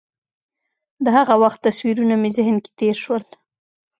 د هغه وخت تصویرونه مې ذهن کې تېر شول.